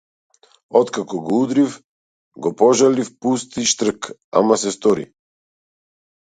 Откога го удрив, го пожалив пусти штрк, ама се стори.